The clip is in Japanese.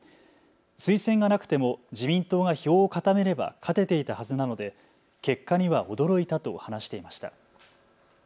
推薦がなくても自民党が票を固めれば勝てていたはずなので結果には驚いたと話していました。